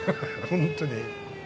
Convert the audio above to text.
本当に。